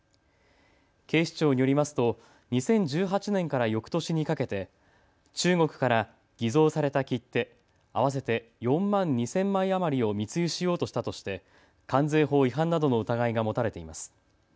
警視庁によりますと２０１８年からよくとしにかけて中国から偽造された切手、合わせて４万２０００枚余りを密輸しようとしたとして関税法違反などの疑いが持たれています。